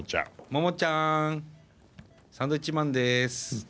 モモちゃんサンドウィッチマンです。